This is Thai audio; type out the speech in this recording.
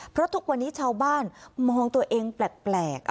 เพราะทุกวันนี้ชาวบ้านมองตัวเองแปลก